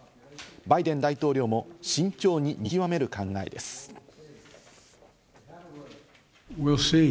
バイデン大統領も慎重に見極める考えです。